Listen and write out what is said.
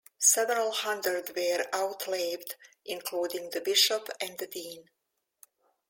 Several hundred were outlawed, including the Bishop and the Dean.